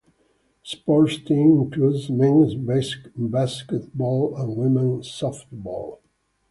Sports teams include Men's Basketball and Women's Softball.